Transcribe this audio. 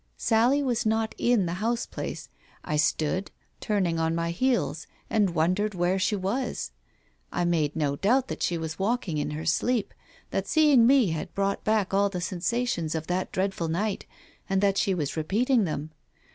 Sally was not in the house place. I stood — turning on my heels — and wondered where she was. I made no doubt that she was walking in her sleep — that seeing me had brought back all the sensations of that dreadful night, and that she was repeating them.